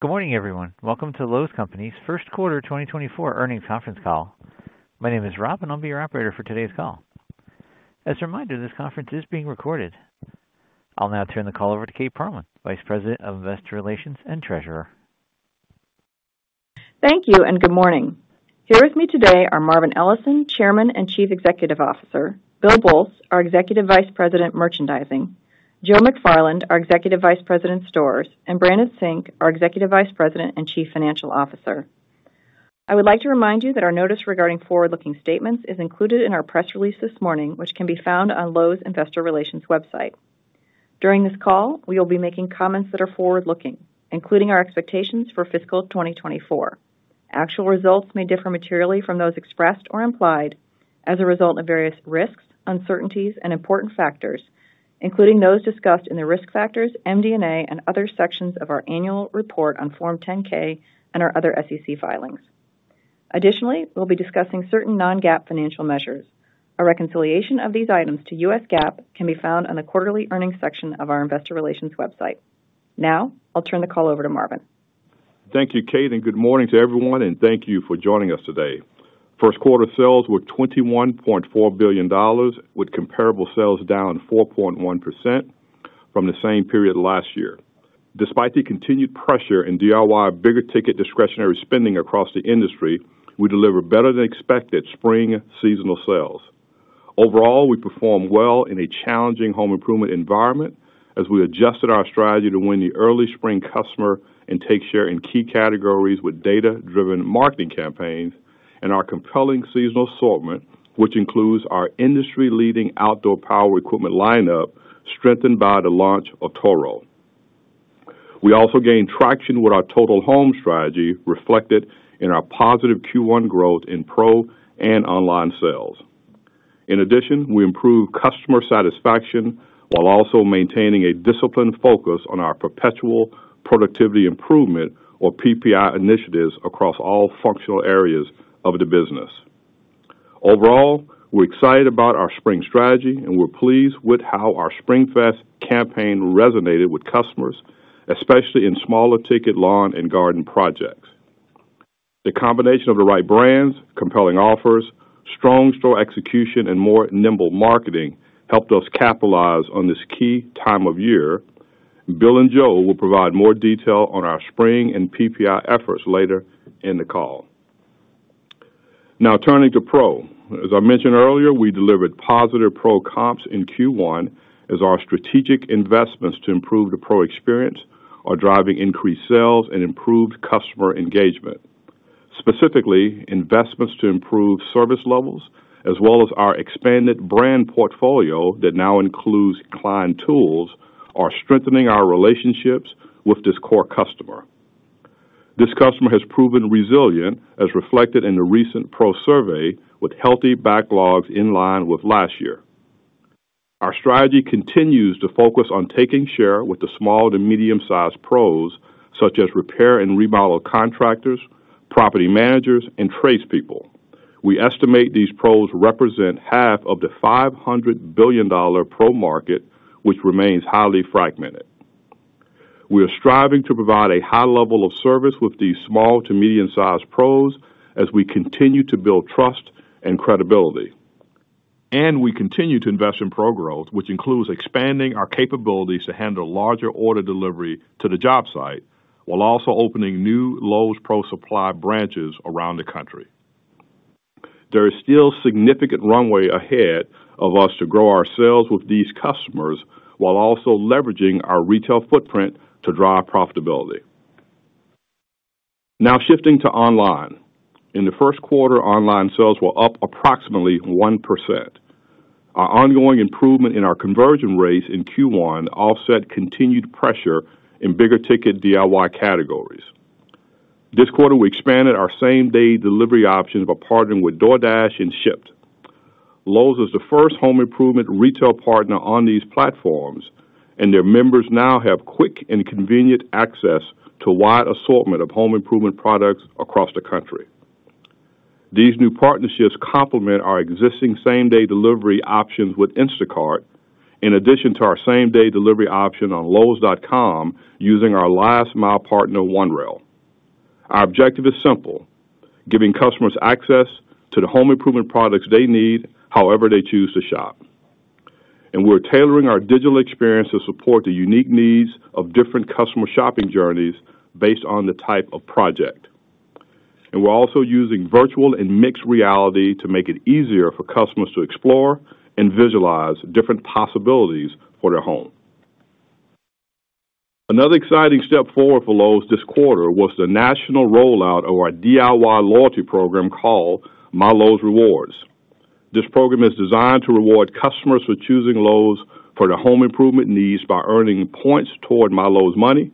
Good morning, everyone. Welcome to Lowe's Companies Q1 2024 Earnings Conference Call. My name is Rob, and I'll be your operator for today's call. As a reminder, this conference is being recorded. I'll now turn the call over to Kate Pearlman, Vice President of Investor Relations and Treasurer. Thank you, and good morning. Here with me today are Marvin Ellison, Chairman and Chief Executive Officer; Bill Boltz, our Executive Vice President, Merchandising; Joe McFarland, our Executive Vice President, Stores; and Brandon Sink, our Executive Vice President and Chief Financial Officer. I would like to remind you that our notice regarding forward-looking statements is included in our press release this morning, which can be found on Lowe's Investor Relations website. During this call, we will be making comments that are forward-looking, including our expectations for fiscal 2024. Actual results may differ materially from those expressed or implied as a result of various risks, uncertainties, and important factors, including those discussed in the Risk Factors, MD&A, and other sections of our Annual Report on Form 10-K and our other SEC filings. Additionally, we'll be discussing certain non-GAAP financial measures. A reconciliation of these items to US GAAP can be found on the quarterly earnings section of our Investor Relations website. Now, I'll turn the call over to Marvin. Thank you, Kate, and good morning to everyone, and thank you for joining us today. Q1 sales were $21.4 billion, with comparable sales down 4.1% from the same period last year. Despite the continued pressure in DIY bigger-ticket discretionary spending across the industry, we delivered better-than-expected spring seasonal sales. Overall, we performed well in a challenging home improvement environment as we adjusted our strategy to win the early spring customer and take share in key categories with data-driven marketing campaigns and our compelling seasonal assortment, which includes our industry-leading outdoor power equipment lineup, strengthened by the launch of Toro. We also gained traction with our Total Home Strategy, reflected in our positive Q1 growth in Pro and online sales. In addition, we improved customer satisfaction while also maintaining a disciplined focus on our Perpetual Productivity Improvement, or PPI initiatives, across all functional areas of the business. Overall, we're excited about our Spring strategy, and we're pleased with how our SpringFest campaign resonated with customers, especially in smaller-ticket lawn and garden projects. The combination of the right brands, compelling offers, strong store execution, and more nimble marketing helped us capitalize on this key time of year. Bill and Joe will provide more detail on our Spring and PPI efforts later in the call. Now, turning to Pro. As I mentioned earlier, we delivered positive Pro comps in Q1 as our strategic investments to improve the Pro experience are driving increased sales and improved customer engagement. Specifically, investments to improve service levels, as well as our expanded brand portfolio that now includes Klein Tools, are strengthening our relationships with this core customer. This customer has proven resilient, as reflected in the recent Pro survey, with healthy backlogs in line with last year. Our strategy continues to focus on taking share with the small to medium-sized Pros, such as repair and remodel contractors, property managers, and tradespeople. We estimate these Pros represent half of the $500 billion Pro market, which remains highly fragmented. We are striving to provide a high level of service with these small to medium-sized Pros as we continue to build trust and credibility. We continue to invest in Pro growth, which includes expanding our capabilities to handle larger order delivery to the job site, while also opening new Lowe's Pro Supply branches around the country. There is still significant runway ahead of us to grow our sales with these customers, while also leveraging our retail footprint to drive profitability. Now shifting to online. In the Q1, online sales were up approximately 1%. Our ongoing improvement in our conversion rates in Q1 offset continued pressure in bigger-ticket DIY categories. This quarter, we expanded our same-day delivery options by partnering with DoorDash and Shipt. Lowe's is the first home improvement retail partner on these platforms, and their members now have quick and convenient access to a wide assortment of home improvement products across the country. These new partnerships complement our existing same-day delivery options with Instacart, in addition to our same-day delivery option on lowes.com, using our last mile partner, OneRail. Our objective is simple: giving customers access to the home improvement products they need, however they choose to shop. We're tailoring our digital experience to support the unique needs of different customer shopping journeys based on the type of project. We're also using virtual and mixed reality to make it easier for customers to explore and visualize different possibilities for their home. Another exciting step forward for Lowe's this quarter was the national rollout of our DIY loyalty program called MyLowe's Rewards. This program is designed to reward customers for choosing Lowe's for their home improvement needs by earning points toward MyLowe's Money,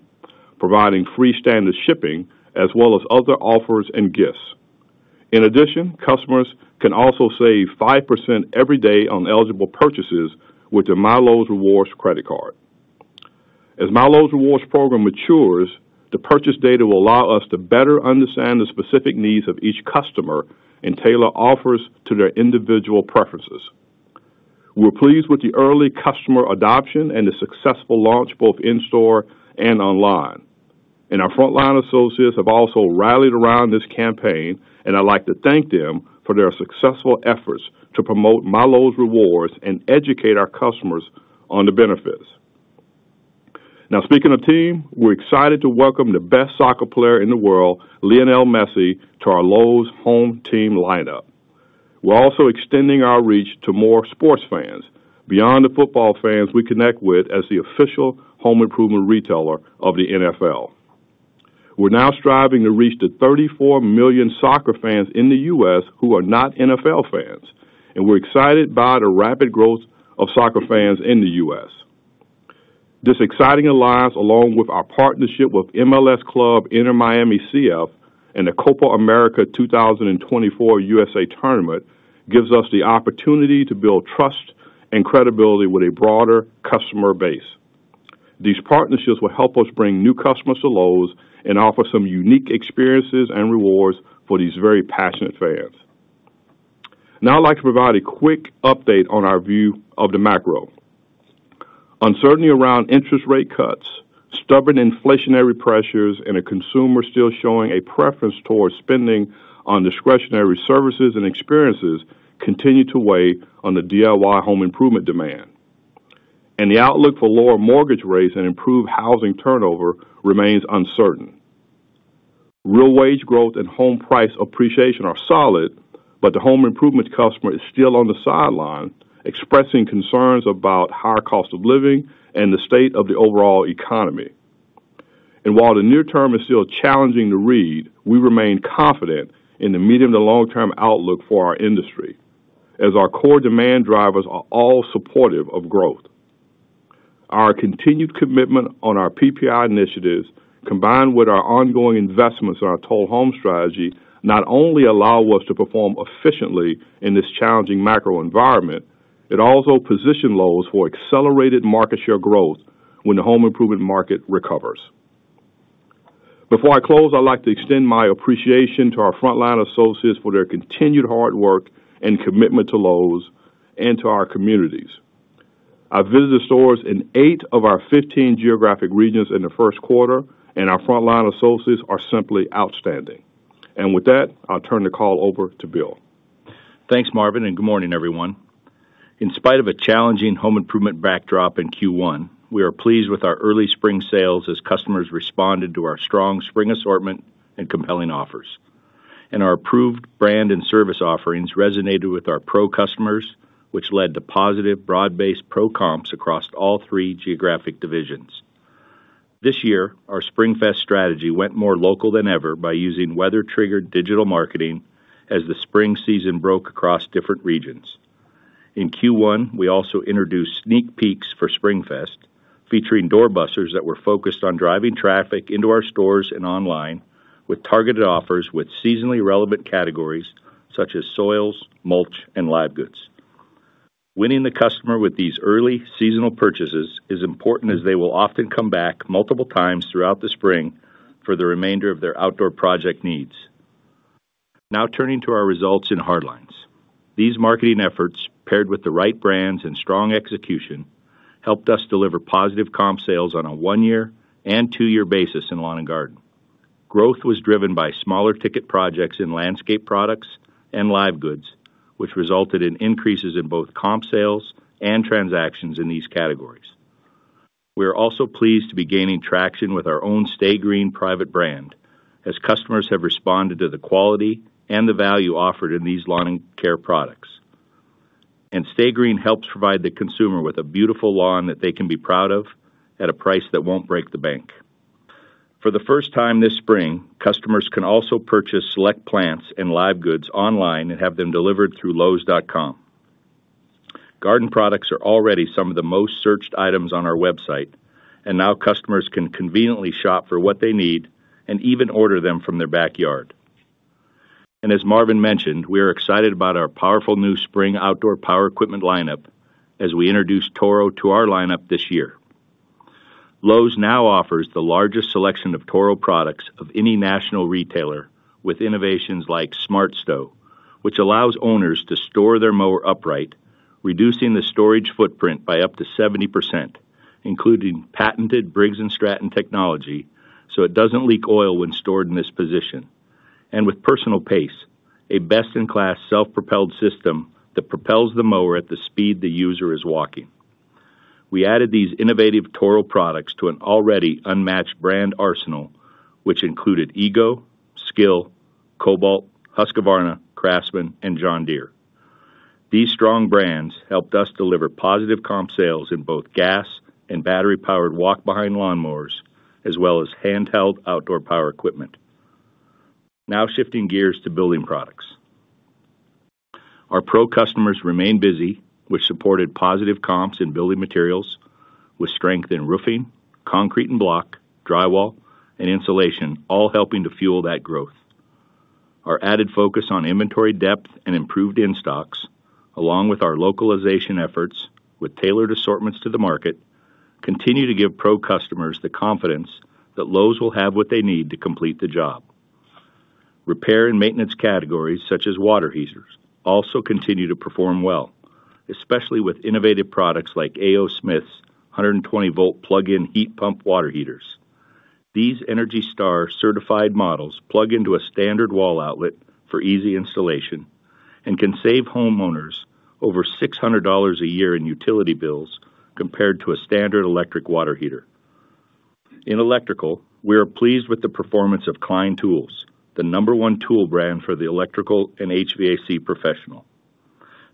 providing free standard shipping, as well as other offers and gifts. In addition, customers can also save 5% every day on eligible purchases with the MyLowe's Rewards Credit Card. As MyLowe's Rewards program matures, the purchase data will allow us to better understand the specific needs of each customer and tailor offers to their individual preferences. We're pleased with the early customer adoption and the successful launch, both in-store and online. Our frontline associates have also rallied around this campaign, and I'd like to thank them for their successful efforts to promote MyLowe's Rewards and educate our customers on the benefits. Now, speaking of team, we're excited to welcome the best soccer player in the world, Lionel Messi, to our Lowe's Home Team lineup. We're also extending our reach to more sports fans beyond the football fans we connect with as the official home improvement retailer of the NFL. We're now striving to reach the 34 million soccer fans in the U.S. who are not NFL fans, and we're excited by the rapid growth of soccer fans in the U.S. This exciting alliance, along with our partnership with MLS club, Inter Miami CF, and the Copa América 2024 USA Tournament, gives us the opportunity to build trust and credibility with a broader customer base. These partnerships will help us bring new customers to Lowe's and offer some unique experiences and rewards for these very passionate fans. Now, I'd like to provide a quick update on our view of the macro. Uncertainty around interest rate cuts, stubborn inflationary pressures, and a consumer still showing a preference towards spending on discretionary services and experiences continue to weigh on the DIY home improvement demand. The outlook for lower mortgage rates and improved housing turnover remains uncertain. Real wage growth and home price appreciation are solid, but the home improvement customer is still on the sideline, expressing concerns about higher cost of living and the state of the overall economy. And while the near term is still challenging to read, we remain confident in the medium and long-term outlook for our industry, as our core demand drivers are all supportive of growth. Our continued commitment on our PPI initiatives, combined with our ongoing investments in our Total Home strategy, not only allow us to perform efficiently in this challenging macro environment, it also position Lowe's for accelerated market share growth when the home improvement market recovers. Before I close, I'd like to extend my appreciation to our frontline associates for their continued hard work and commitment to Lowe's and to our communities. I've visited stores in eight of our 15 geographic regions in the Q1, and our frontline associates are simply outstanding. And with that, I'll turn the call over to Bill. Thanks, Marvin, and good morning, everyone. In spite of a challenging home improvement backdrop in Q1, we are pleased with our early spring sales as customers responded to our strong spring assortment and compelling offers. Our approved brand and service offerings resonated with our Pro customers, which led to positive broad-based Pro comps across all three geographic divisions. This year, our SpringFest strategy went more local than ever by using weather-triggered digital marketing as the spring season broke across different regions. In Q1, we also introduced sneak peeks for SpringFest, featuring doorbusters that were focused on driving traffic into our stores and online, with targeted offers with seasonally relevant categories such as soils, mulch, and live goods. Winning the customer with these early seasonal purchases is important, as they will often come back multiple times throughout the spring for the remainder of their outdoor project needs. Now, turning to our results in hard lines. These marketing efforts, paired with the right brands and strong execution, helped us deliver positive comp sales on a one-year and two-year basis in lawn and garden. Growth was driven by smaller ticket projects in landscape products and live goods, which resulted in increases in both comp sales and transactions in these categories. We are also pleased to be gaining traction with our own Sta-Green private brand, as customers have responded to the quality and the value offered in these lawn and care products. Sta-Green helps provide the consumer with a beautiful lawn that they can be proud of at a price that won't break the bank. For the first time this spring, customers can also purchase select plants and live goods online and have them delivered through lowes.com. Garden products are already some of the most searched items on our website, and now customers can conveniently shop for what they need and even order them from their backyard. As Marvin mentioned, we are excited about our powerful new spring outdoor power equipment lineup as we introduce Toro to our lineup this year. Lowe's now offers the largest selection of Toro products of any national retailer, with innovations like SmartStow, which allows owners to store their mower upright, reducing the storage footprint by up to 70%, including patented Briggs & Stratton technology, so it doesn't leak oil when stored in this position. And with Personal Pace, a best-in-class self-propelled system that propels the mower at the speed the user is walking. We added these innovative Toro products to an already unmatched brand arsenal, which included EGO, SKIL, Kobalt, Husqvarna, Craftsman, and John Deere. These strong brands helped us deliver positive comp sales in both gas and battery-powered walk-behind lawn mowers, as well as handheld outdoor power equipment. Now shifting gears to building products. Our Pro customers remain busy, which supported positive comps in building materials, with strength in roofing, concrete and block, drywall, and insulation, all helping to fuel that growth. Our added focus on inventory depth and improved in-stocks, along with our localization efforts with tailored assortments to the market, continue to give Pro customers the confidence that Lowe's will have what they need to complete the job. Repair and maintenance categories, such as water heaters, also continue to perform well, especially with innovative products like A. O. Smith's 120-volt plug-in heat pump water heaters. These Energy Star certified models plug into a standard wall outlet for easy installation and can save homeowners over $600 a year in utility bills compared to a standard electric water heater. In electrical, we are pleased with the performance of Klein Tools, the number one tool brand for the electrical and HVAC professional.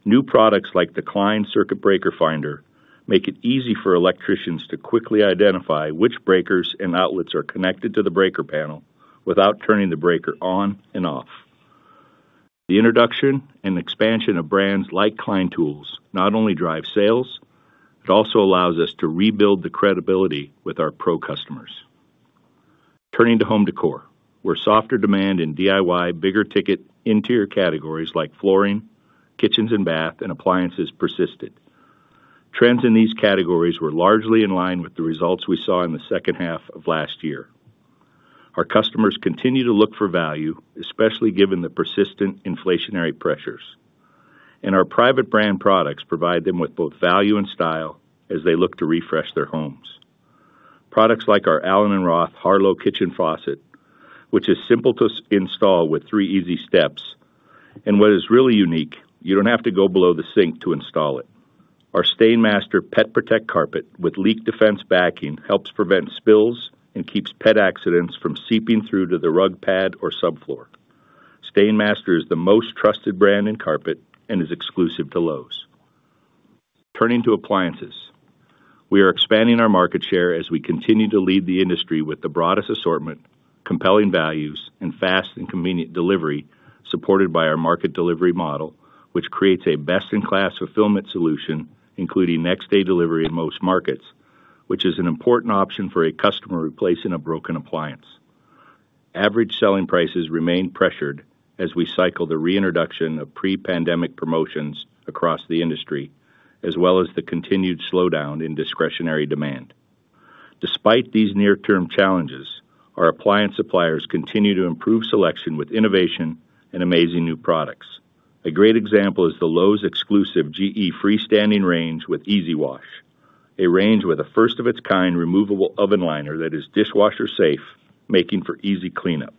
New products like the Klein Circuit Breaker Finder make it easy for electricians to quickly identify which breakers and outlets are connected to the breaker panel without turning the breaker on and off. The introduction and expansion of brands like Klein Tools not only drive sales, it also allows us to rebuild the credibility with our Pro customers. Turning to home decor, where softer demand in DIY, bigger ticket interior categories like flooring, kitchens and bath, and appliances persisted. Trends in these categories were largely in line with the results we saw in the H2 of last year. Our customers continue to look for value, especially given the persistent inflationary pressures, and our private brand products provide them with both value and style as they look to refresh their homes. Products like our allen + roth Harlow Kitchen Faucet, which is simple to install with three easy steps, and what is really unique, you don't have to go below the sink to install it. Our Stainmaster PetProtect carpet with leak defense backing helps prevent spills and keeps pet accidents from seeping through to the rug pad or subfloor. Stainmaster is the most trusted brand in carpet and is exclusive to Lowe's. Turning to appliances. We are expanding our market share as we continue to lead the industry with the broadest assortment, compelling values, and fast and convenient delivery, supported by our market delivery model, which creates a best-in-class fulfillment solution, including next day delivery in most markets, which is an important option for a customer replacing a broken appliance. Average selling prices remain pressured as we cycle the reintroduction of pre-pandemic promotions across the industry, as well as the continued slowdown in discretionary demand. Despite these near-term challenges, our appliance suppliers continue to improve selection with innovation and amazing new products. A great example is the Lowe's exclusive GE freestanding range with EasyWash, a range with a first of its kind removable oven liner that is dishwasher safe, making for easy cleanup.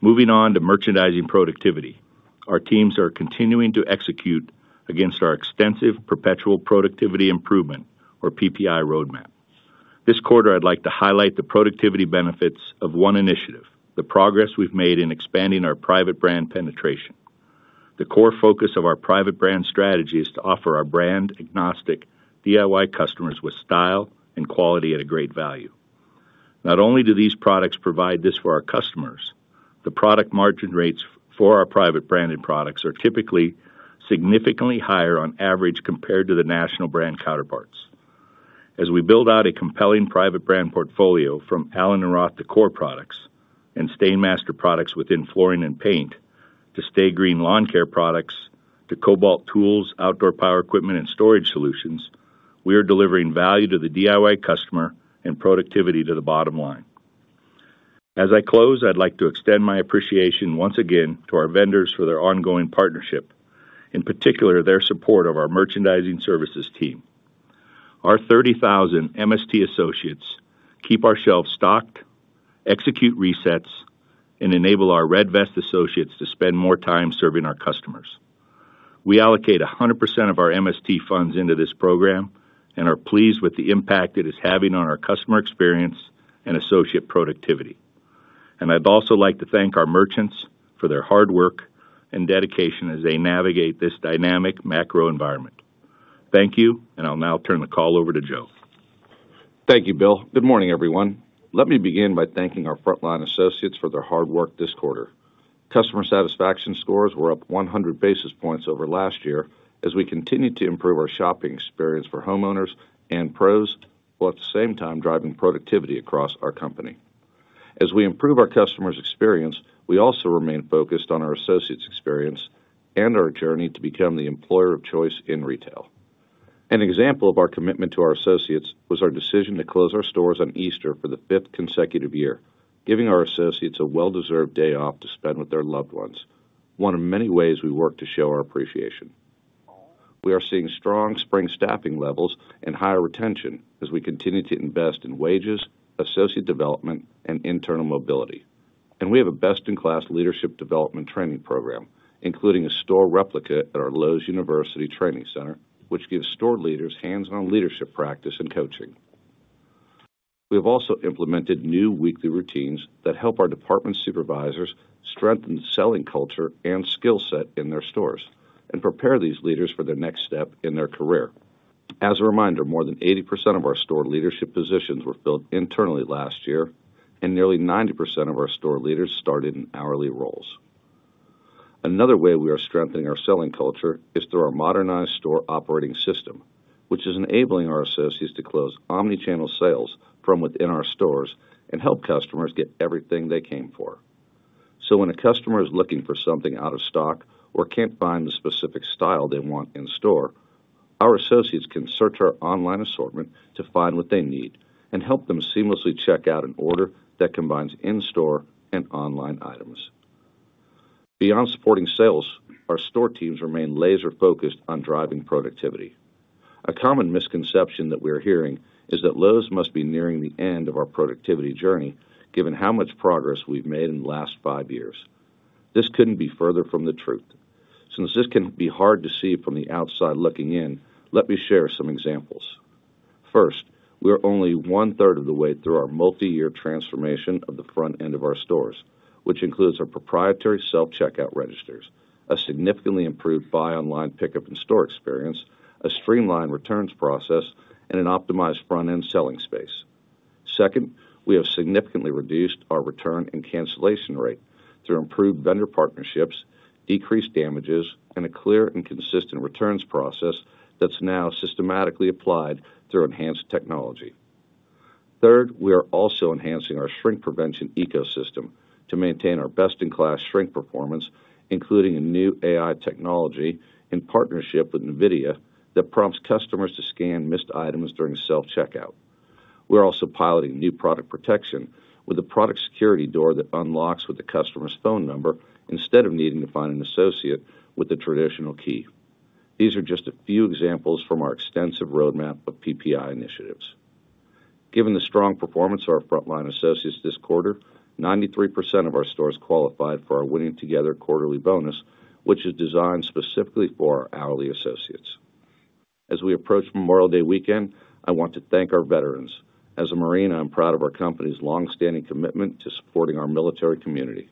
Moving on to merchandising productivity. Our teams are continuing to execute against our extensive Perpetual Productivity Improvement or PPI roadmap. This quarter, I'd like to highlight the productivity benefits of one initiative, the progress we've made in expanding our private brand penetration. The core focus of our private brand strategy is to offer our brand agnostic DIY customers with style and quality at a great value. Not only do these products provide this for our customers, the product margin rates for our private branded products are typically significantly higher on average, compared to the national brand counterparts. As we build out a compelling private brand portfolio from allen + roth decor products and Stainmaster products within flooring and paint, to Sta-Green lawn care products, to Kobalt tools, outdoor power equipment, and storage solutions, we are delivering value to the DIY customer and productivity to the bottom line. As I close, I'd like to extend my appreciation once again to our vendors for their ongoing partnership, in particular, their support of our merchandising services team. Our 30,000 MST associates keep our shelves stocked, execute resets, and enable our Red Vest associates to spend more time serving our customers. We allocate 100% of our MST funds into this program and are pleased with the impact it is having on our customer experience and associate productivity. And I'd also like to thank our merchants for their hard work and dedication as they navigate this dynamic macro environment. Thank you, and I'll now turn the call over to Joe. Thank you, Bill. Good morning, everyone. Let me begin by thanking our frontline associates for their hard work this quarter. Customer satisfaction scores were up 100 basis points over last year as we continued to improve our shopping experience for homeowners and Pros, while at the same time driving productivity across our company. As we improve our customer's experience, we also remain focused on our associates' experience and our journey to become the employer of choice in retail. An example of our commitment to our associates was our decision to close our stores on Easter for the fifth consecutive year, giving our associates a well-deserved day off to spend with their loved ones, one of many ways we work to show our appreciation. We are seeing strong spring staffing levels and higher retention as we continue to invest in wages, associate development, and internal mobility. We have a best-in-class leadership development training program, including a store replica at our Lowe's University Training Center, which gives store leaders hands-on leadership practice and coaching. We have also implemented new weekly routines that help our department supervisors strengthen the selling culture and skill set in their stores and prepare these leaders for the next step in their career. As a reminder, more than 80% of our store leadership positions were filled internally last year, and nearly 90% of our store leaders started in hourly roles. Another way we are strengthening our selling culture is through our modernized store operating system, which is enabling our associates to close omni-channel sales from within our stores and help customers get everything they came for. So when a customer is looking for something out of stock or can't find the specific style they want in store. Our associates can search our online assortment to find what they need and help them seamlessly check out an order that combines in-store and online items. Beyond supporting sales, our store teams remain laser-focused on driving productivity. A common misconception that we're hearing is that Lowe's must be nearing the end of our productivity journey, given how much progress we've made in the last five years. This couldn't be further from the truth. Since this can be hard to see from the outside looking in, let me share some examples. First, we're only 1/3 of the way through our multi-year transformation of the front end of our stores, which includes our proprietary self-checkout registers, a significantly improved buy online, pickup in store experience, a streamlined returns process, and an optimized front-end selling space. Second, we have significantly reduced our return and cancellation rate through improved vendor partnerships, decreased damages, and a clear and consistent returns process that's now systematically applied through enhanced technology. Third, we are also enhancing our shrink prevention ecosystem to maintain our best-in-class shrink performance, including a new AI technology in partnership with NVIDIA, that prompts customers to scan missed items during self-checkout. We're also piloting new product protection with a product security door that unlocks with the customer's phone number instead of needing to find an associate with a traditional key. These are just a few examples from our extensive roadmap of PPI initiatives. Given the strong performance of our frontline associates this quarter, 93% of our stores qualified for our Winning Together quarterly bonus, which is designed specifically for our hourly associates. As we approach Memorial Day weekend, I want to thank our veterans. As a Marine, I'm proud of our company's long-standing commitment to supporting our military community.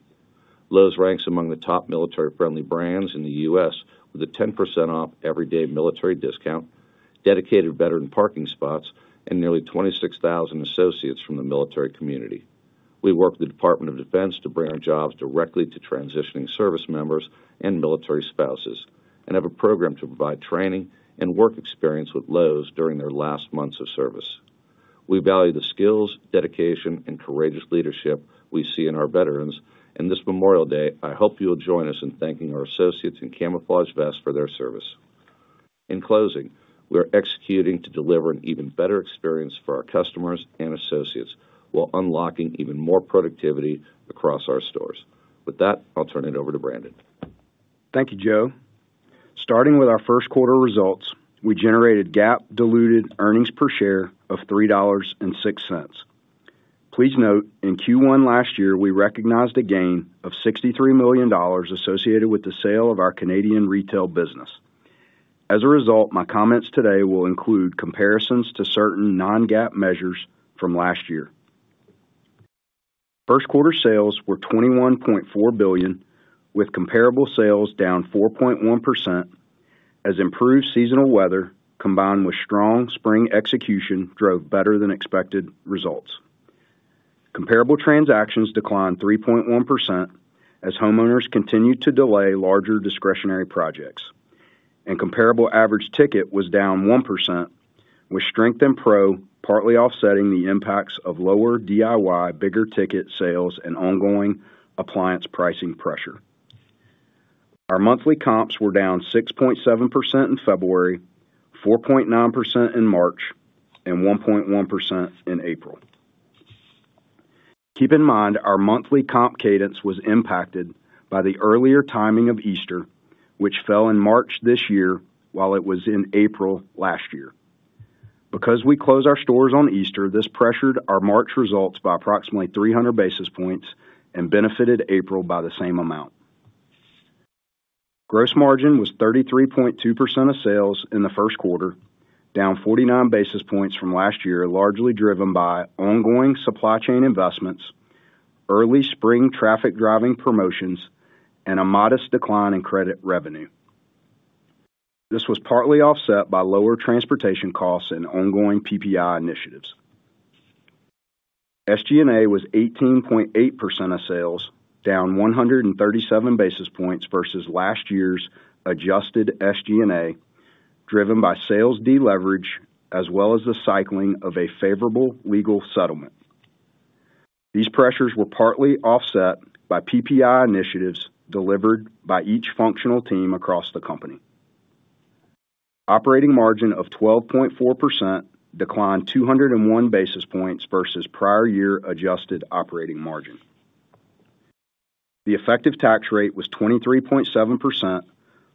Lowe's ranks among the top military-friendly brands in the U.S., with a 10% off everyday military discount, dedicated veteran parking spots, and nearly 26,000 associates from the military community. We work with the Department of Defense to bring jobs directly to transitioning service members and military spouses, and have a program to provide training and work experience with Lowe's during their last months of service. We value the skills, dedication, and courageous leadership we see in our veterans, and this Memorial Day, I hope you will join us in thanking our associates in camouflage vests for their service. In closing, we are executing to deliver an even better experience for our customers and associates, while unlocking even more productivity across our stores. With that, I'll turn it over to Brandon. Thank you, Joe. Starting with our Q1 results, we generated GAAP diluted earnings per share of $3.06. Please note, in Q1 last year, we recognized a gain of $63 million associated with the sale of our Canadian retail business. As a result, my comments today will include comparisons to certain non-GAAP measures from last year. Q1 sales were $21.4 billion, with comparable sales down 4.1%, as improved seasonal weather, combined with strong spring execution, drove better than expected results. Comparable transactions declined 3.1%, as homeowners continued to delay larger discretionary projects, and comparable average ticket was down 1%, with strength in Pro partly offsetting the impacts of lower DIY bigger ticket sales and ongoing appliance pricing pressure. Our monthly comps were down 6.7% in February, 4.9% in March, and 1.1% in April. Keep in mind, our monthly comp cadence was impacted by the earlier timing of Easter, which fell in March this year, while it was in April last year. Because we close our stores on Easter, this pressured our March results by approximately 300 basis points and benefited April by the same amount. Gross margin was 33.2% of sales in the Q1, down 49 basis points from last year, largely driven by ongoing supply chain investments, early spring traffic-driving promotions, and a modest decline in credit revenue. This was partly offset by lower transportation costs and ongoing PPI initiatives. SG&A was 18.8% of sales, down 137 basis points versus last year's adjusted SG&A, driven by sales deleverage, as well as the cycling of a favorable legal settlement. These pressures were partly offset by PPI initiatives delivered by each functional team across the company. Operating margin of 12.4% declined 201 basis points versus prior year adjusted operating margin. The effective tax rate was 23.7%,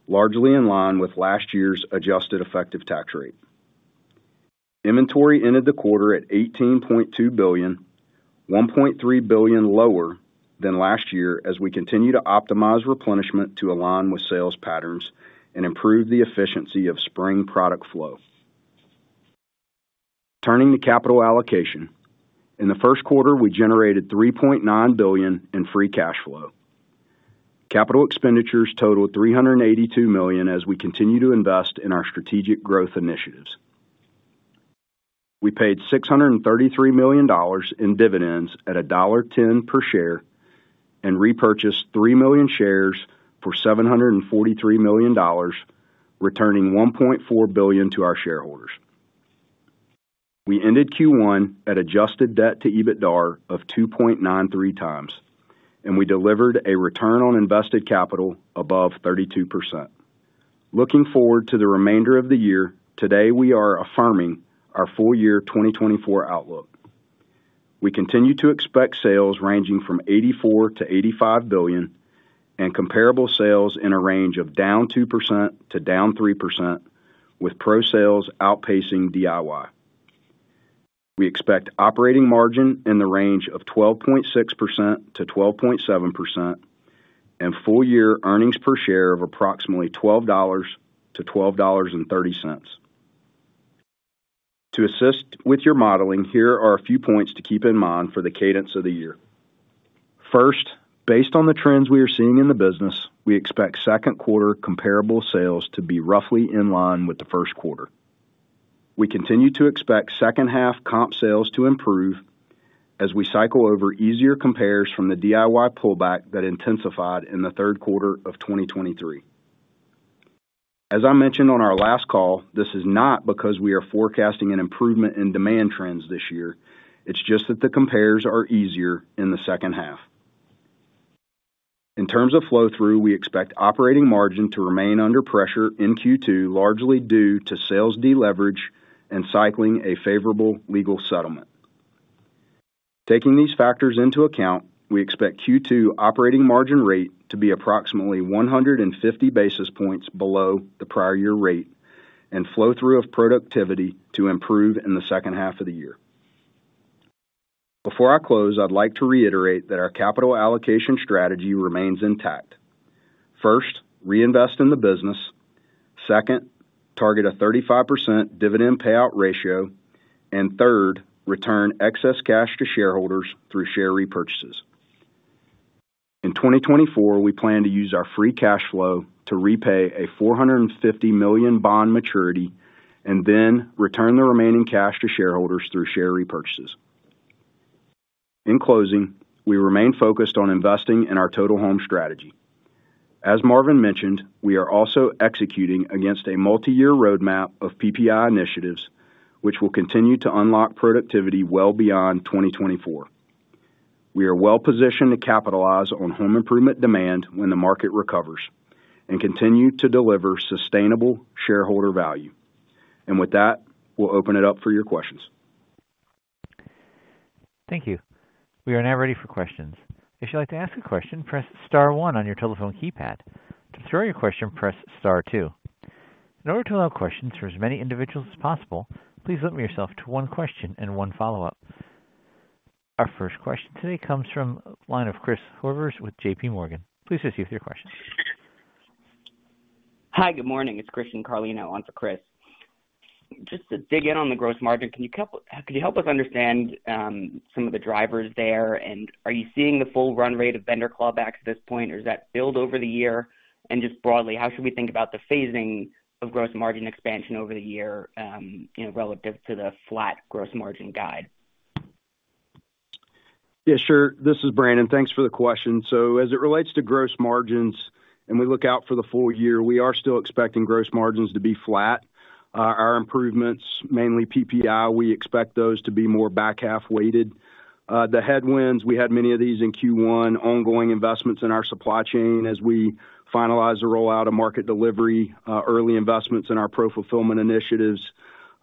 largely in line with last year's adjusted effective tax rate. Inventory ended the quarter at $18.2 billion, $1.3 billion lower than last year, as we continue to optimize replenishment to align with sales patterns and improve the efficiency of spring product flow. Turning to capital allocation. In the Q1, we generated $3.9 billion in free cash flow. Capital expenditures totaled $382 million as we continue to invest in our strategic growth initiatives. We paid $633 million in dividends at $1.10 per share and repurchased 3 million shares for $743 million, returning $1.4 billion to our shareholders. We ended Q1 at adjusted debt to EBITDAR of 2.93x, and we delivered a return on invested capital above 32%. Looking forward to the remainder of the year, today, we are affirming our full year 2024 outlook. We continue to expect sales ranging from $84 billion-$85 billion and comparable sales in a range of down 2% to down 3%, with Pro sales outpacing DIY. We expect operating margin in the range of 12.6%-12.7% and full year earnings per share of approximately $12-$12.30. To assist with your modeling, here are a few points to keep in mind for the cadence of the year. First, based on the trends we are seeing in the business, we expect Q2 comparable sales to be roughly in line with the Q1. We continue to expect H2 comp sales to improve as we cycle over easier compares from the DIY pullback that intensified in the Q3 of 2023. As I mentioned on our last call, this is not because we are forecasting an improvement in demand trends this year. It's just that the compares are easier in the H2. In terms of flow-through, we expect operating margin to remain under pressure in Q2, largely due to sales deleverage and cycling a favorable legal settlement. Taking these factors into account, we expect Q2 operating margin rate to be approximately 150 basis points below the prior year rate and flow-through of productivity to improve in the H2 of the year. Before I close, I'd like to reiterate that our capital allocation strategy remains intact. First, reinvest in the business. Second, target a 35% dividend payout ratio. Third, return excess cash to shareholders through share repurchases. In 2024, we plan to use our free cash flow to repay a $450 million bond maturity and then return the remaining cash to shareholders through share repurchases. In closing, we remain focused on investing in our Total Home strategy. As Marvin mentioned, we are also executing against a multi-year roadmap of PPI initiatives, which will continue to unlock productivity well beyond 2024. We are well positioned to capitalize on home improvement demand when the market recovers and continue to deliver sustainable shareholder value. And with that, we'll open it up for your questions. Thank you. We are now ready for questions. If you'd like to ask a question, press star one on your telephone keypad. To throw your question, press star two. In order to allow questions for as many individuals as possible, please limit yourself to one question and one follow-up. Our first question today comes from the line of Chris Horvers with J.P. Morgan. Please proceed with your question. Hi, good morning. It's Christian Carlino on for Chris. Just to dig in on the gross margin, could you help us understand some of the drivers there? And are you seeing the full run rate of vendor clawbacks at this point, or does that build over the year? And just broadly, how should we think about the phasing of gross margin expansion over the year, you know, relative to the flat gross margin guide? Yeah, sure. This is Brandon. Thanks for the question. So as it relates to gross margins and we look out for the full year, we are still expecting gross margins to be flat. Our improvements, mainly PPI, we expect those to be more back-half weighted. The headwinds, we had many of these in Q1, ongoing investments in our supply chain as we finalize the rollout of market delivery, early investments in our Pro fulfillment initiatives,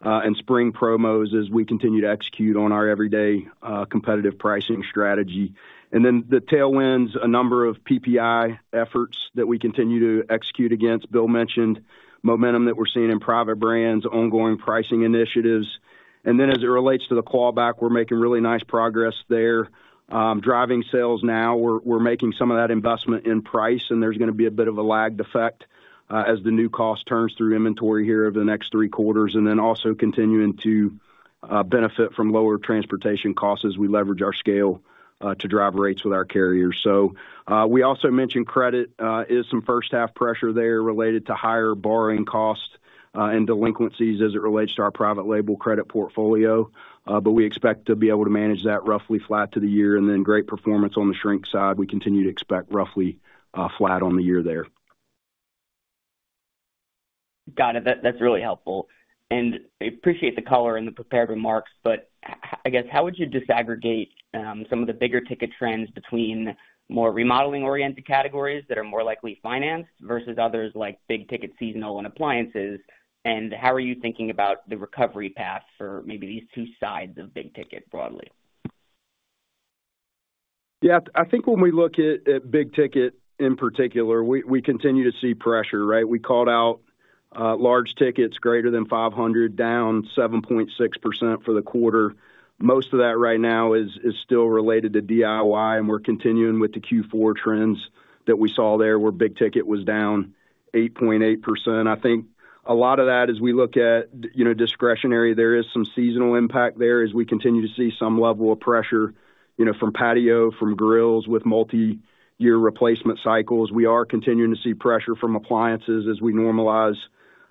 and Spring promos as we continue to execute on our everyday, competitive pricing strategy. And then the tailwinds, a number of PPI efforts that we continue to execute against. Bill mentioned momentum that we're seeing in private brands, ongoing pricing initiatives. And then as it relates to the clawback, we're making really nice progress there. Driving sales now, we're making some of that investment in price, and there's gonna be a bit of a lagged effect as the new cost turns through inventory here over the next three quarters, and then also continuing to benefit from lower transportation costs as we leverage our scale to drive rates with our carriers. So, we also mentioned credit is some first-half pressure there related to higher borrowing costs and delinquencies as it relates to our private label credit portfolio, but we expect to be able to manage that roughly flat to the year. And then great performance on the shrink side. We continue to expect roughly flat on the year there. Got it. That's really helpful, and I appreciate the color in the prepared remarks, but I guess, how would you disaggregate some of the bigger ticket trends between more remodeling-oriented categories that are more likely financed versus others like big ticket seasonal and appliances? And how are you thinking about the recovery path for maybe these two sides of big ticket broadly? Yeah, I think when we look at big ticket in particular, we continue to see pressure, right? We called out large tickets greater than 500, down 7.6% for the quarter. Most of that right now is still related to DIY, and we're continuing with the Q4 trends that we saw there, where big ticket was down 8.8%. I think a lot of that, as we look at, you know, discretionary, there is some seasonal impact there as we continue to see some level of pressure, you know, from patio, from grills with multi-year replacement cycles. We are continuing to see pressure from appliances as we normalize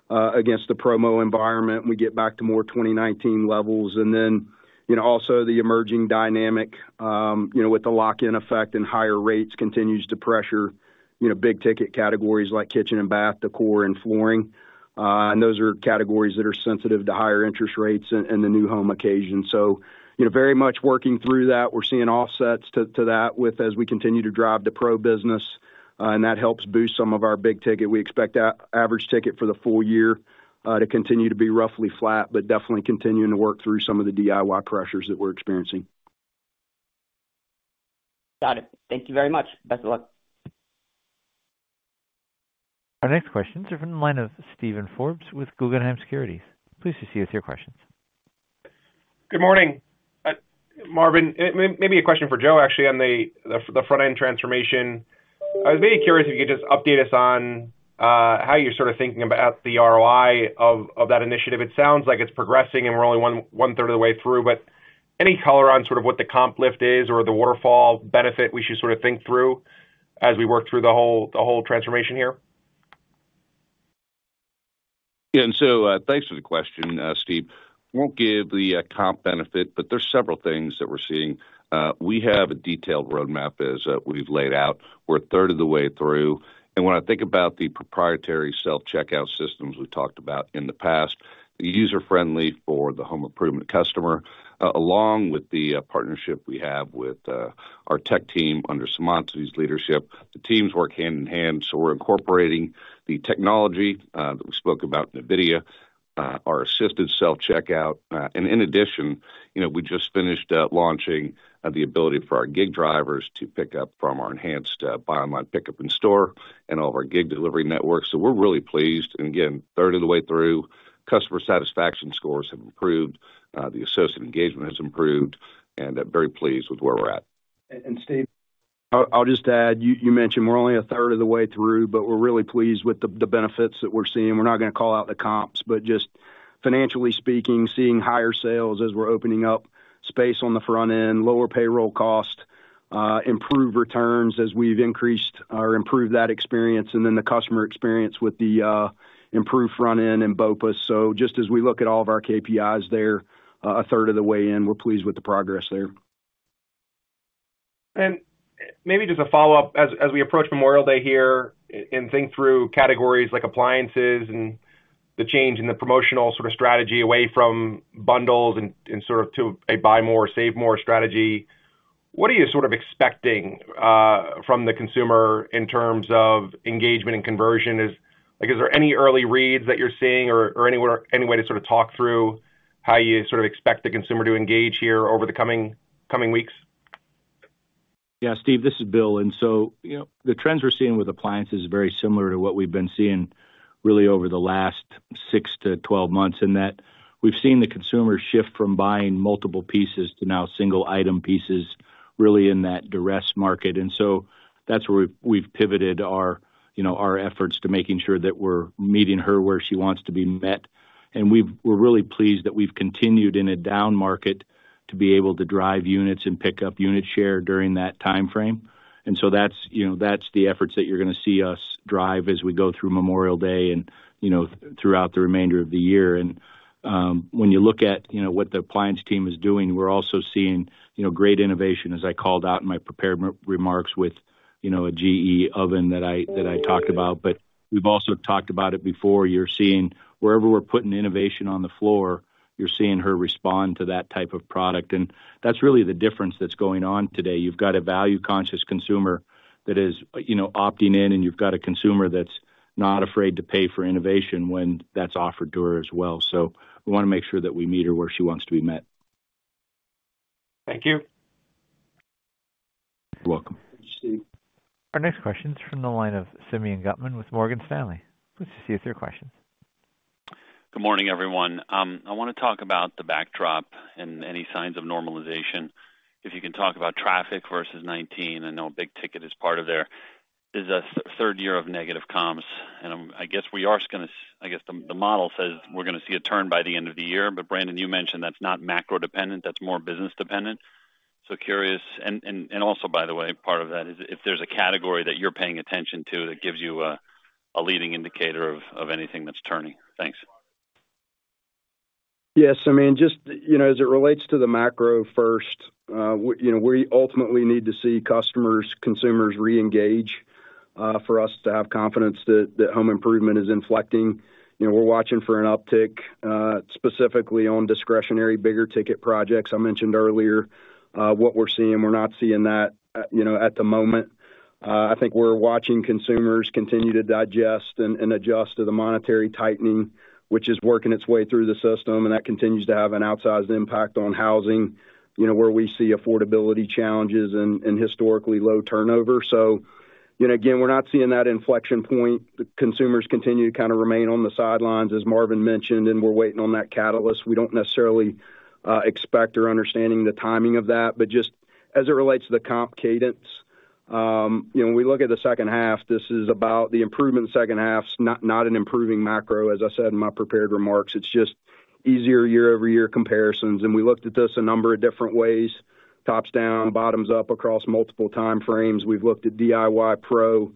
against the promo environment, we get back to more 2019 levels. And then, you know, also the emerging dynamic, you know, with the lock-in effect and higher rates continues to pressure, you know, big ticket categories like kitchen and bath, decor and flooring. And those are categories that are sensitive to higher interest rates and, and the new home occasion. So, you know, very much working through that. We're seeing offsets to, to that with as we continue to drive the Pro business, and that helps boost some of our big ticket. We expect average ticket for the full year, to continue to be roughly flat, but definitely continuing to work through some of the DIY pressures that we're experiencing. Got it. Thank you very much. Best of luck. Our next questions are from the line of Steven Forbes with Guggenheim Securities. Please proceed with your questions. Good morning, Marvin. Maybe a question for Joe, actually, on the front-end transformation. I was maybe curious if you could just update us on how you're sort of thinking about the ROI of that initiative. It sounds like it's progressing and we're only one third of the way through, but any color on sort of what the comp lift is or the waterfall benefit we should sort of think through, as we work through the whole transformation here? Yeah, so, thanks for the question, Steve. Won't give the comp benefit, but there's several things that we're seeing. We have a detailed roadmap, as we've laid out. We're a third of the way through, and when I think about the proprietary self-checkout systems we've talked about in the past, they're user-friendly for the home improvement customer, along with the partnership we have with our tech team under Seemantini's leadership. The teams work hand-in-hand, so we're incorporating the technology that we spoke about, NVIDIA, our assisted self-checkout. And in addition, you know, we just finished up launching the ability for our Gig drivers to pick up from our enhanced buy online pickup in store and all of our Gig delivery networks. So we're really pleased, and again, third of the way through, customer satisfaction scores have improved, the associate engagement has improved, and I'm very pleased with where we're at. And Steve, I'll just add, you mentioned we're only a third of the way through, but we're really pleased with the benefits that we're seeing. We're not gonna call out the comps, but just financially speaking, seeing higher sales as we're opening up space on the front end, lower payroll cost, improved returns as we've increased or improved that experience, and then the customer experience with the improved front end and BOPUS. So just as we look at all of our KPIs there, a third of the way in, we're pleased with the progress there. Maybe just a follow-up. As we approach Memorial Day here and think through categories like appliances and the change in the promotional sort of strategy away from bundles and sort of to a buy more, save more strategy, what are you sort of expecting from the consumer in terms of engagement and conversion? Like, is there any early reads that you're seeing or any way to sort of talk through how you sort of expect the consumer to engage here over the coming weeks? Yeah, Steve, this is Bill. And so, you know, the trends we're seeing with appliances is very similar to what we've been seeing really over the last 6-12 months, in that we've seen the consumer shift from buying multiple pieces to now single item pieces, really in that duress market. And so that's where we've pivoted our, you know, our efforts to making sure that we're meeting her where she wants to be met. And we're really pleased that we've continued in a down market to be able to drive units and pick up unit share during that timeframe. And so that's, you know, that's the efforts that you're gonna see us drive as we go through Memorial Day and, you know, throughout the remainder of the year. When you look at, you know, what the appliance team is doing, we're also seeing, you know, great innovation, as I called out in my prepared remarks with, you know, a GE oven that I talked about. But we've also talked about it before. You're seeing wherever we're putting innovation on the floor, you're seeing her respond to that type of product, and that's really the difference that's going on today. You've got a value-conscious consumer that is, you know, opting in, and you've got a consumer that's not afraid to pay for innovation when that's offered to her as well. So we wanna make sure that we meet her where she wants to be met. Thank you. You're welcome. Thanks, Steve. Our next question is from the line of Simeon Gutman with Morgan Stanley. Please proceed with your questions. Good morning, everyone. I wanna talk about the backdrop and any signs of normalization. If you can talk about traffic versus 2019, I know big ticket is part of there. This is the third year of negative comps, and, I guess we are just gonna. I guess the model says we're gonna see a turn by the end of the year. But Brandon, you mentioned that's not macro dependent, that's more business dependent. So curious. And also, by the way, part of that is if there's a category that you're paying attention to that gives you a leading indicator of anything that's turning. Thanks. Yes, Simeon, just, you know, as it relates to the macro first, we, you know, we ultimately need to see customers, consumers reengage, for us to have confidence that, that home improvement is inflecting. You know, we're watching for an uptick, specifically on discretionary, bigger ticket projects. I mentioned earlier, what we're seeing. We're not seeing that, you know, at the moment. I think we're watching consumers continue to digest and, and adjust to the monetary tightening, which is working its way through the system, and that continues to have an outsized impact on housing, you know, where we see affordability challenges and, and historically low turnover. So, you know, again, we're not seeing that inflection point. The consumers continue to kind of remain on the sidelines, as Marvin mentioned, and we're waiting on that catalyst. We don't necessarily expect or understand the timing of that, but just as it relates to the comp cadence, you know, when we look at the H2, this is about the improvement in the H2, not an improving macro. As I said in my prepared remarks, it's just easier year-over-year comparisons, and we looked at this a number of different ways, top down, bottom up, across multiple timeframes. We've looked at DIY pro,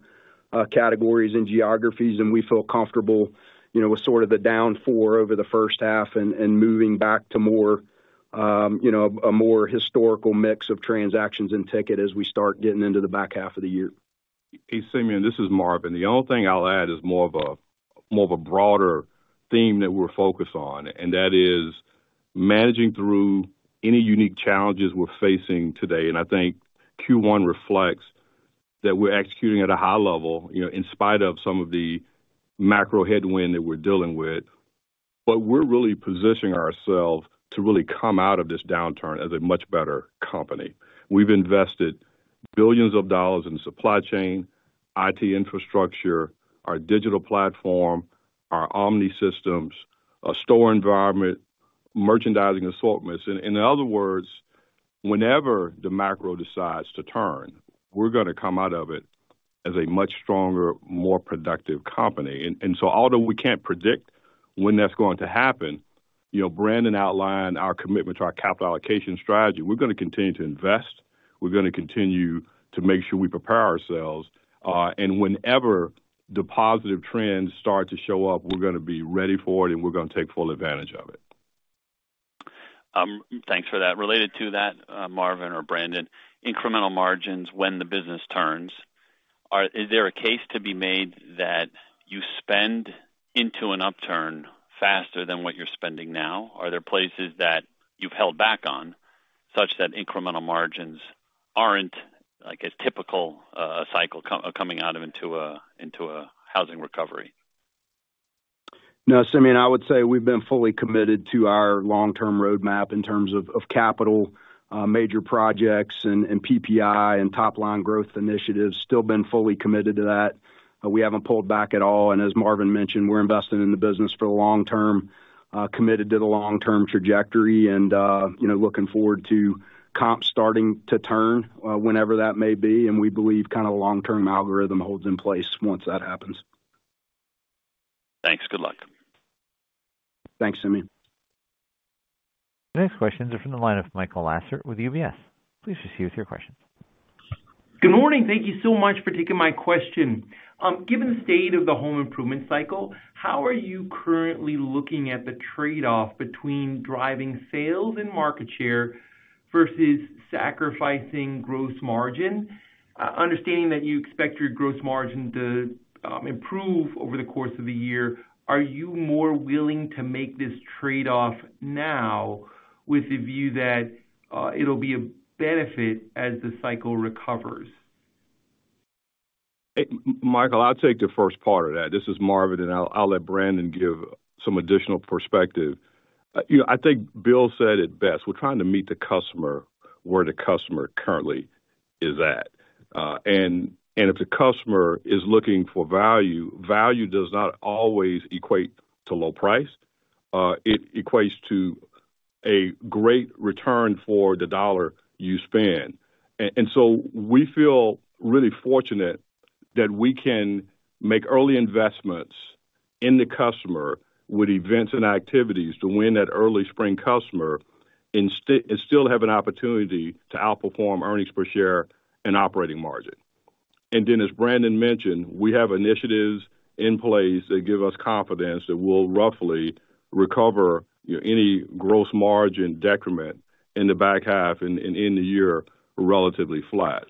categories and geographies, and we feel comfortable, you know, with sort of the down 4 over the H1 and moving back to more, you know, a more historical mix of transactions and ticket as we start getting into the back half of the year. Hey, Simeon, this is Marvin. The only thing I'll add is more of a, more of a broader theme that we're focused on, and that is managing through any unique challenges we're facing today. And I think Q1 reflects that we're executing at a high level, you know, in spite of some of the macro headwind that we're dealing with, but we're really positioning ourselves to really come out of this downturn as a much better company. We've invested billions of dollars in supply chain, IT infrastructure, our digital platform, our omni systems, our store environment, merchandising assortments. In, in other words, whenever the macro decides to turn, we're gonna come out of it as a much stronger, more productive company. And, and so although we can't predict when that's going to happen, you know, Brandon outlined our commitment to our capital allocation strategy. We're gonna continue to invest, we're gonna continue to make sure we prepare ourselves, and whenever the positive trends start to show up, we're gonna be ready for it, and we're gonna take full advantage of it. Thanks for that. Related to that, Marvin or Brandon, incremental margins when the business turns, is there a case to be made that you spend into an upturn faster than what you're spending now? Are there places that you've held back on such that incremental margins aren't, like, a typical cycle coming out of into a housing recovery? No, Simeon, I would say we've been fully committed to our long-term roadmap in terms of, of capital, major projects and, PPI and top line growth initiatives. Still been fully committed to that. We haven't pulled back at all, and as Marvin mentioned, we're investing in the business for the long term, committed to the long-term trajectory and, you know, looking forward to comp starting to turn, whenever that may be, and we believe kind of long-term algorithm holds in place once that happens. Thanks. Good luck. Thanks, Simeon. The next question is from the line of Michael Lasser with UBS. Please proceed with your question. Good morning. Thank you so much for taking my question. Given the state of the home improvement cycle, how are you currently looking at the trade-off between driving sales and market share versus sacrificing gross margin? Understanding that you expect your gross margin to improve over the course of the year, are you more willing to make this trade-off now with the view that it'll be a benefit as the cycle recovers? Hey, Michael, I'll take the first part of that. This is Marvin, and I'll let Brandon give some additional perspective. You know, I think Bill said it best: we're trying to meet the customer where the customer currently is at. And if the customer is looking for value, value does not always equate to low price. It equates to a great return for the dollar you spend. And so we feel really fortunate that we can make early investments in the customer with events and activities to win that early spring customer, and still have an opportunity to outperform earnings per share and operating margin. And then, as Brandon mentioned, we have initiatives in place that give us confidence that we'll roughly recover, you know, any gross margin decrement in the back half and end the year relatively flat.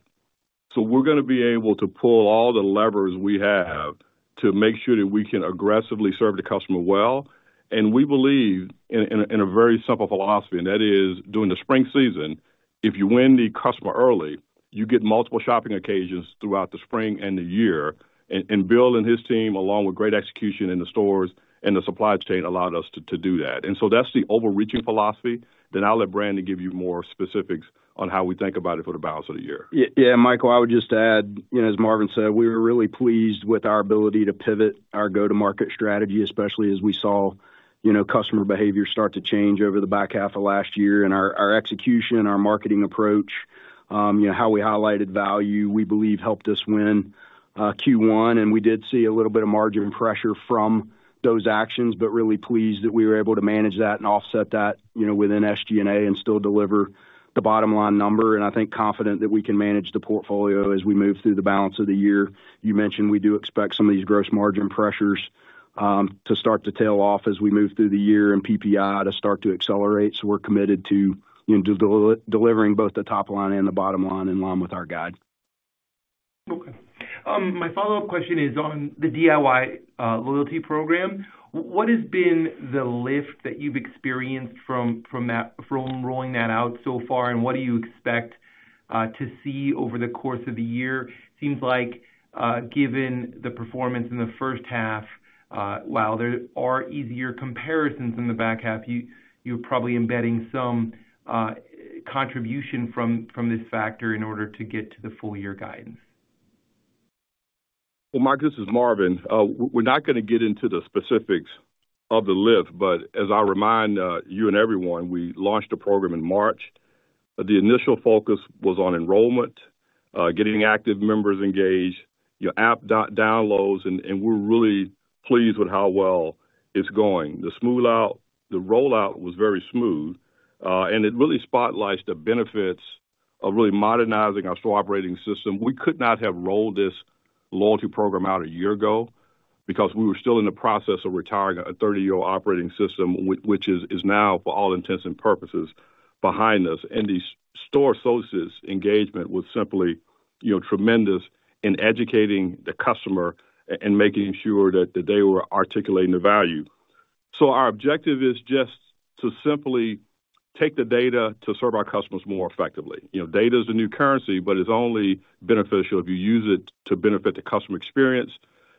So we're gonna be able to pull all the levers we have to make sure that we can aggressively serve the customer well. And we believe in a very simple philosophy, and that is, during the spring season, if you win the customer early, you get multiple shopping occasions throughout the spring and the year. And Bill and his team, along with great execution in the stores and the supply chain, allowed us to do that. And so that's the overreaching philosophy. Then I'll let Brandon give you more specifics on how we think about it for the balance of the year. Yeah, yeah, Michael, I would just add, you know, as Marvin said, we were really pleased with our ability to pivot our go-to-market strategy, especially as we saw, you know, customer behavior start to change over the back half of last year. And our execution, our marketing approach, you know, how we highlighted value, we believe helped us win Q1, and we did see a little bit of margin pressure from those actions, but really pleased that we were able to manage that and offset that, you know, within SGNA and still deliver the bottom line number, and I think confident that we can manage the portfolio as we move through the balance of the year. You mentioned we do expect some of these gross margin pressures to start to tail off as we move through the year and PPI to start to accelerate. We're committed to, you know, delivering both the top line and the bottom line in line with our guide. Okay. My follow-up question is on the DIY loyalty program. What has been the lift that you've experienced from that—from rolling that out so far, and what do you expect to see over the course of the year? Seems like, given the performance in the H1, while there are easier comparisons in the back half, you're probably embedding some contribution from this factor in order to get to the full year guidance. Well, Mark, this is Marvin. We're not gonna get into the specifics of the lift, but as I remind you and everyone, we launched the program in March. The initial focus was on enrollment, getting active members engaged, app downloads, and we're really pleased with how well it's going. The rollout was very smooth, and it really spotlights the benefits of really modernizing our store operating system. We could not have rolled this loyalty program out a year ago because we were still in the process of retiring a 30-year-old operating system, which is now, for all intents and purposes, behind us. And these store associates' engagement was simply, you know, tremendous in educating the customer and making sure that they were articulating the value. Our objective is just to simply take the data to serve our customers more effectively. You know, data is the new currency, but it's only beneficial if you use it to benefit the customer experience,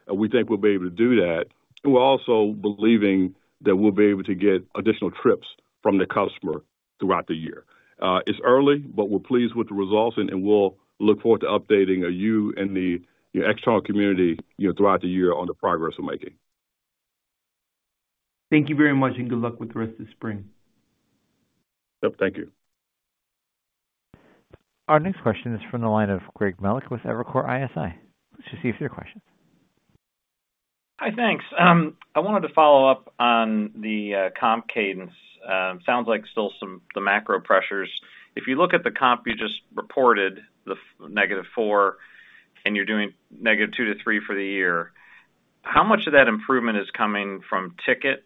and we think we'll be able to do that. We're also believing that we'll be able to get additional trips from the customer throughout the year. It's early, but we're pleased with the results, and we'll look forward to updating you and the external community, you know, throughout the year on the progress we're making. Thank you very much, and good luck with the rest of the spring. Yep, thank you. Our next question is from the line of Greg Melich with Evercore ISI. Please proceed with your questions. Hi, thanks. I wanted to follow up on the comp cadence. Sounds like still some the macro pressures. If you look at the comp, you just reported the -4, and you're doing -2 to -3 for the year. How much of that improvement is coming from ticket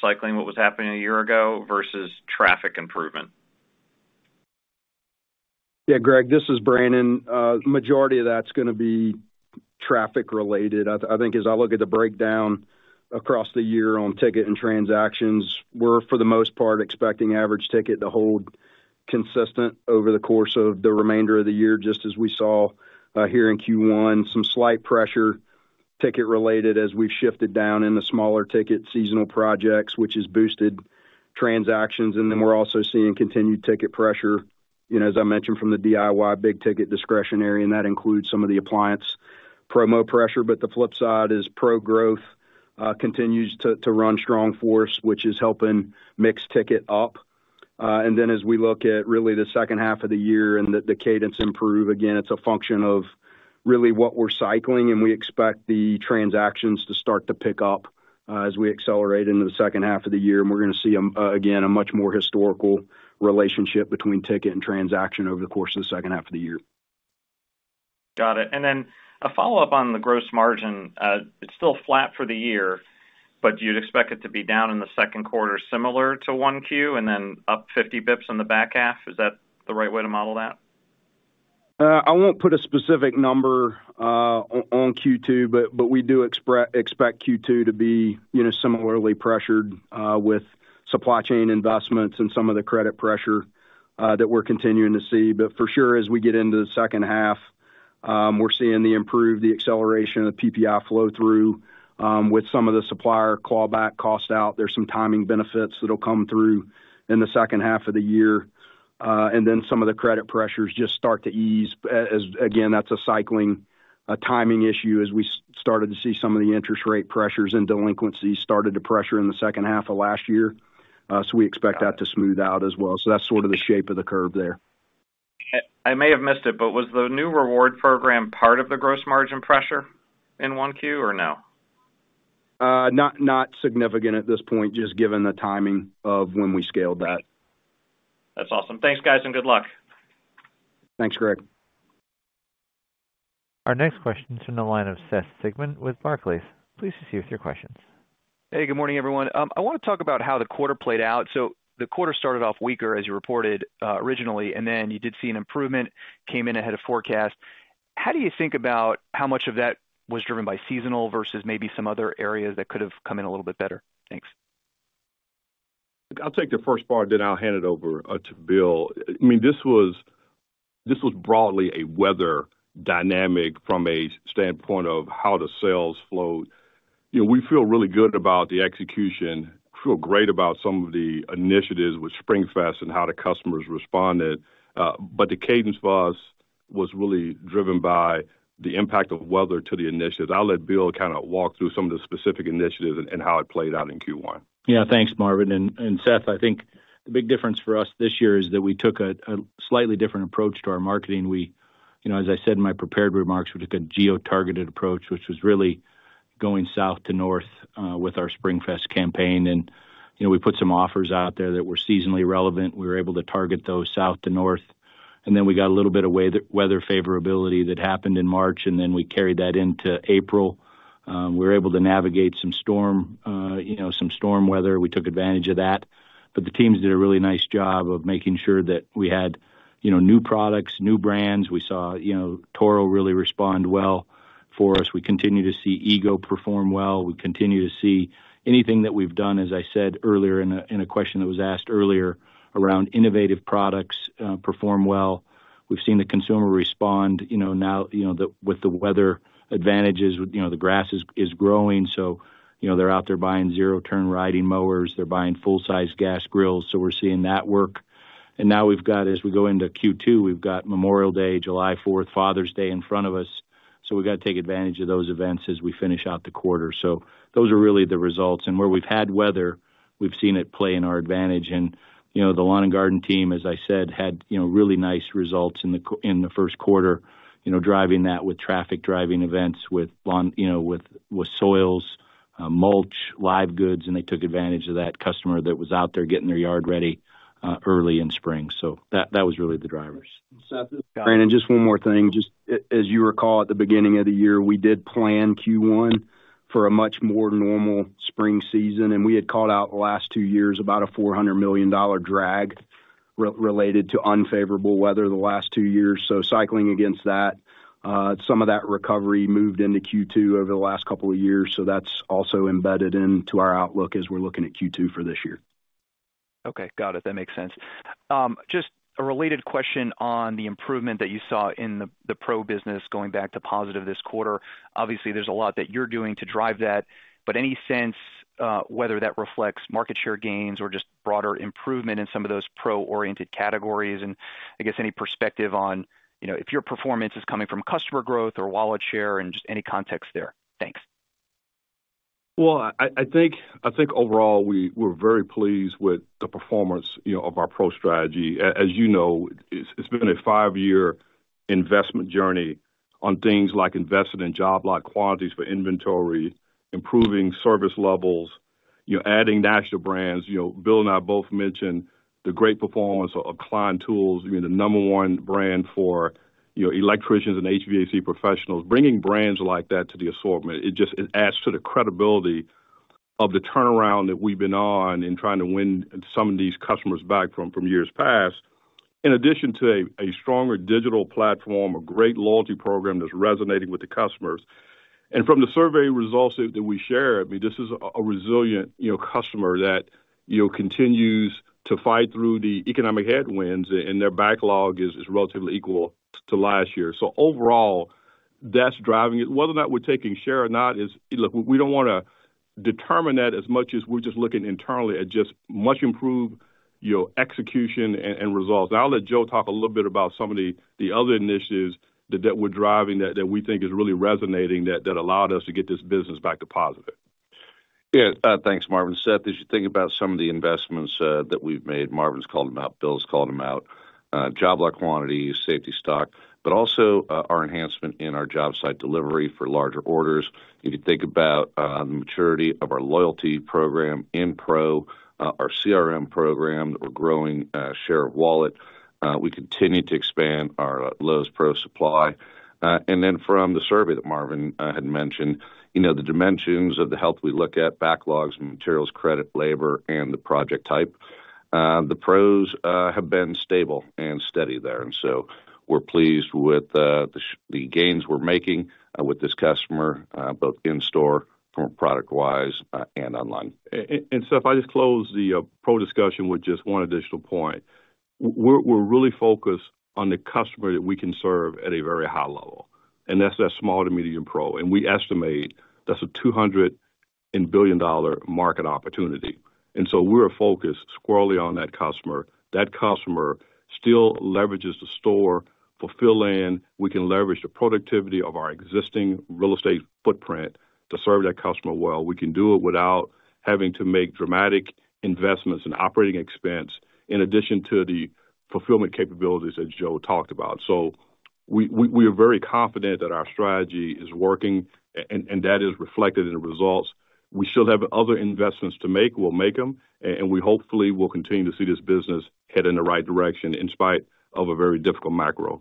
cycling, what was happening a year ago, versus traffic improvement? Yeah, Greg, this is Brandon. Majority of that's gonna be traffic related. I think as I look at the breakdown across the year on ticket and transactions, we're, for the most part, expecting average ticket to hold consistent over the course of the remainder of the year, just as we saw here in Q1. Some slight pressure, ticket related, as we've shifted down in the smaller ticket seasonal projects, which has boosted transactions. And then we're also seeing continued ticket pressure, you know, as I mentioned, from the DIY big-ticket discretionary, and that includes some of the appliance promo pressure. But the flip side is Pro growth continues to run strong force, which is helping mix ticket up. And then as we look at really the H2 of the year and the cadence improve, again, it's a function of really what we're cycling, and we expect the transactions to start to pick up, as we accelerate into the H2 of the year. And we're gonna see, again, a much more historical relationship between ticket and transaction over the course of the H2 of the year. Got it. And then a follow-up on the gross margin. It's still flat for the year, but do you expect it to be down in the Q2, similar to Q1, and then up 50 basis points in the back half? Is that the right way to model that? I won't put a specific number on Q2, but we do expect Q2 to be, you know, similarly pressured with supply chain investments and some of the credit pressure that we're continuing to see. But for sure, as we get into the H2, we're seeing the acceleration of PPI flow through with some of the supplier clawback costs out. There's some timing benefits that'll come through in the H2 of the year, and then some of the credit pressures just start to ease. As again, that's a cycling, a timing issue as we started to see some of the interest rate pressures and delinquencies started to pressure in the H2 of last year. So we expect that to smooth out as well. So that's sort of the shape of the curve there. I may have missed it, but was the new reward program part of the gross margin pressure in Q1 or no? Not, not significant at this point, just given the timing of when we scaled that. That's awesome. Thanks, guys, and good luck. Thanks, Greg. Our next question is from the line of Seth Sigman with Barclays. Please proceed with your questions. Hey, good morning, everyone. I wanna talk about how the quarter played out. So the quarter started off weaker, as you reported, originally, and then you did see an improvement, came in ahead of forecast. How do you think about how much of that was driven by seasonal versus maybe some other areas that could have come in a little bit better? Thanks. I'll take the first part, then I'll hand it over to Bill. I mean, this was, this was broadly a weather dynamic from a standpoint of how the sales flowed. You know, we feel really good about the execution, feel great about some of the initiatives with SpringFest and how the customers responded, but the cadence for us was really driven by the impact of weather to the initiatives. I'll let Bill kind of walk through some of the specific initiatives and how it played out in Q1. Yeah, thanks, Marvin. And Seth, I think the big difference for us this year is that we took a slightly different approach to our marketing. We, you know, as I said in my prepared remarks, with a geo-targeted approach, which was really going south to north with our SpringFest campaign. And, you know, we put some offers out there that were seasonally relevant. We were able to target those south to north, and then we got a little bit of weather favorability that happened in March, and then we carried that into April. We were able to navigate some storm, you know, some storm weather. We took advantage of that, but the teams did a really nice job of making sure that we had, you know, new products, new brands. We saw, you know, Toro really respond well for us. We continue to see EGO perform well. We continue to see anything that we've done, as I said earlier in a, in a question that was asked earlier, around innovative products, perform well. We've seen the consumer respond, you know, now, you know, with the weather advantages, you know, the grass is growing, so, you know, they're out there buying zero-turn riding mowers, they're buying full-size gas grills, so we're seeing that work. And now we've got, as we go into Q2, we've got Memorial Day, July Fourth, Father's Day in front of us. So we've got to take advantage of those events as we finish out the quarter. So those are really the results. And where we've had weather, we've seen it play in our advantage. You know, the lawn and garden team, as I said, had, you know, really nice results in the Q1, you know, driving that with traffic, driving events, with lawn, you know, with soils, mulch, live goods, and they took advantage of that customer that was out there getting their yard ready early in spring. So that was really the drivers. Seth, this is Brandon. Just one more thing. Just as you recall, at the beginning of the year, we did plan Q1 for a much more normal spring season, and we had called out the last two years about a $400 million drag related to unfavorable weather the last two years. So cycling against that, some of that recovery moved into Q2 over the last couple of years, so that's also embedded into our outlook as we're looking at Q2 for this year. Okay, got it. That makes sense. Just a related question on the improvement that you saw in the Pro business going back to positive this quarter. Obviously, there's a lot that you're doing to drive that, but any sense, whether that reflects market share gains or just broader improvement in some of those pro-oriented categories? And I guess, any perspective on, you know, if your performance is coming from customer growth or wallet share and just any context there? Thanks. Well, I think overall, we're very pleased with the performance, you know, of our Pro strategy. As you know, it's been a five-year investment journey on things like investing in job lock quantities for inventory, improving service levels, you know, adding national brands. You know, Bill and I both mentioned the great performance of Klein Tools, I mean, the number one brand for, you know, electricians and HVAC professionals. Bringing brands like that to the assortment, it just adds to the credibility of the turnaround that we've been on in trying to win some of these customers back from years past. In addition to a stronger digital platform, a great loyalty program that's resonating with the customers. From the survey results that we shared, I mean, this is a resilient, you know, customer that, you know, continues to fight through the economic headwinds, and their backlog is relatively equal to last year. So overall, that's driving it. Whether or not we're taking share or not is, look, we don't wanna determine that as much as we're just looking internally at just much improved, you know, execution and results. I'll let Joe talk a little bit about some of the other initiatives that we're driving, that we think is really resonating, that allowed us to get this business back to positive. Yeah. Thanks, Marvin. Seth, as you think about some of the investments that we've made, Marvin's called them out, Bill's called them out, job lock quantity, safety stock, but also, our enhancement in our job site delivery for larger orders. If you think about, the maturity of our loyalty program in Pro, our CRM program, we're growing share of wallet. We continue to expand our Lowe's Pro Supply. And then from the survey that Marvin had mentioned, you know, the dimensions of the health, we look at backlogs and materials, credit, labor, and the project type. The Pros have been stable and steady there, and so we're pleased with the gains we're making with this customer, both in store from product wise, and online. And Seth, if I just close the Pro discussion with just one additional point. We're really focused on the customer that we can serve at a very high level, and that's that small to medium pro, and we estimate that's a $200 billion market opportunity. And so we're focused squarely on that customer. That customer still leverages the store for fill in. We can leverage the productivity of our existing real estate footprint to serve that customer well. We can do it without having to make dramatic investments in operating expense, in addition to the fulfillment capabilities that Joe talked about. So we are very confident that our strategy is working, and that is reflected in the results. We still have other investments to make. We'll make them, and we hopefully will continue to see this business head in the right direction, in spite of a very difficult macro.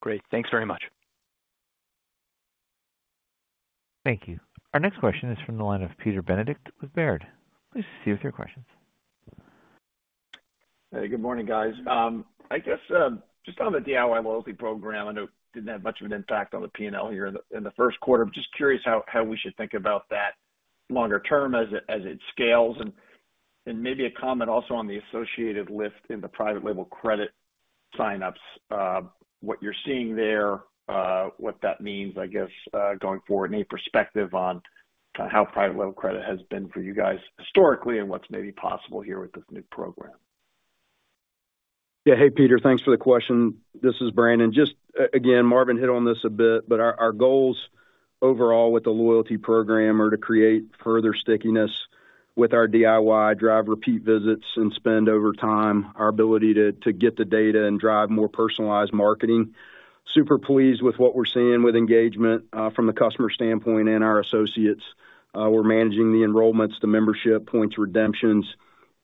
Great. Thanks very much. Thank you. Our next question is from the line of Peter Benedict with Baird. Please proceed with your questions. Hey, good morning, guys. I guess just on the DIY loyalty program, I know didn't have much of an impact on the PNL here in the Q1. I'm just curious how we should think about that longer term as it scales, and maybe a comment also on the associated lift in the private label credit signups, what you're seeing there, what that means, I guess, going forward, and any perspective on kind of how private label credit has been for you guys historically and what's maybe possible here with this new program? Yeah. Hey, Peter, thanks for the question. This is Brandon. Just again, Marvin hit on this a bit, but our goals overall with the loyalty program are to create further stickiness with our DIY drive, repeat visits, and spend over time, our ability to get the data and drive more personalized marketing. Super pleased with what we're seeing with engagement from the customer standpoint and our associates. We're managing the enrollments, the membership, points, redemptions.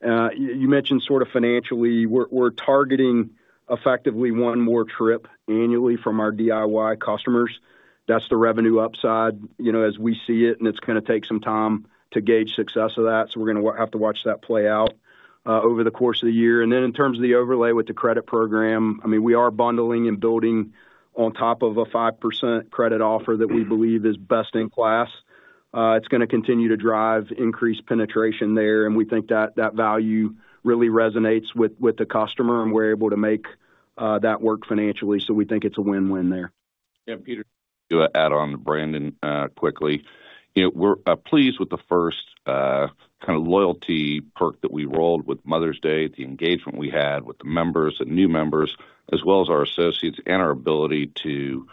You mentioned sort of financially, we're targeting effectively one more trip annually from our DIY customers. That's the revenue upside, you know, as we see it, and it's gonna take some time to gauge success of that, so we're gonna have to watch that play out over the course of the year. And then, in terms of the overlay with the credit program, I mean, we are bundling and building on top of a 5% credit offer that we believe is best in class. It's gonna continue to drive increased penetration there, and we think that value really resonates with the customer, and we're able to make that work financially, so we think it's a win-win there. Yeah, Peter, to add on to Brandon, quickly, you know, we're pleased with the first kind of loyalty perk that we rolled with Mother's Day, the engagement we had with the members, the new members, as well as our associates and our ability to